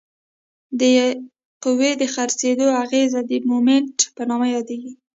د قوې د څرخیدو اغیزه د مومنټ په نامه یادیږي.